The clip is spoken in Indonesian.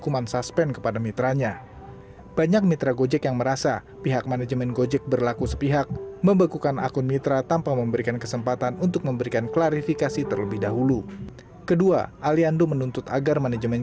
manajemen gojek menaikkan tarif dasar per kilometer